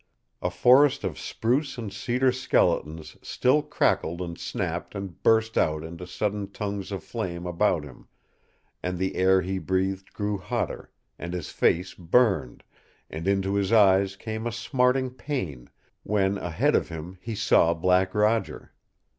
A forest of spruce and cedar skeletons still crackled and snapped and burst out into sudden tongues of flame about him, and the air he breathed grew hotter, and his face burned, and into his eyes came a smarting pain when ahead of him he saw Black Roger.